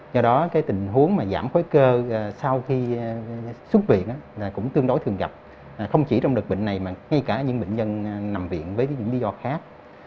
do đó cái tình huống mà giảm khối cơ sau khi xuất viện là cũng tương đối thường gặp không chỉ trong đợt bệnh này mà ngay cả những bệnh nhân nằm viện với những lý do khác